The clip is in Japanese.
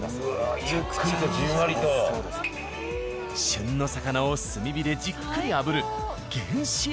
旬の魚を炭火でじっくり炙る。